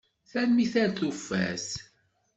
Tanemmirt! Ar tufat!